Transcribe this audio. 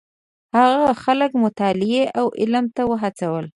هغه خلک مطالعې او علم ته وهڅول.